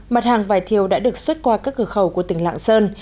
mặt hàng vải thiều đã được xuất qua các cửa khẩu của tỉnh lạng sơn